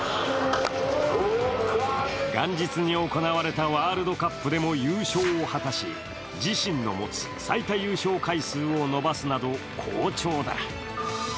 元日に行われたワールドカップでも優勝を果たし自身の持つ最多優勝回数を伸ばすなど好調だ。